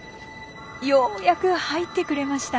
ようやく入ってくれました。